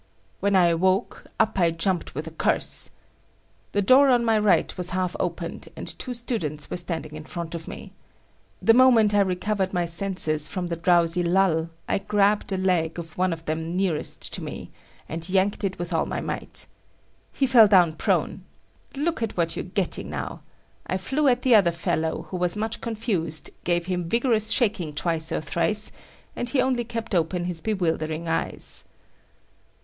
When I awoke, up I jumped with a curse. The door on my right was half opened, and two students were standing in front of me. The moment I recovered my senses from the drowsy lull, I grabbed a leg of one of them nearest to me, and yanked it with all my might. He fell down prone. Look at what you're getting now! I flew at the other fellow, who was much confused; gave him vigorous shaking twice or thrice, and he only kept open his bewildering eyes.